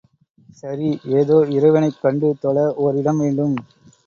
சரி, ஏதோ இறைவனைக் கண்டு தொழ ஓர் இடம் வேண்டும்.